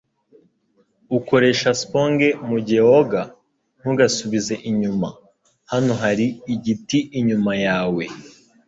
Ukoresha sponge mugihe woga? Ntugasubize inyuma. Hano hari igiti inyuma yawe.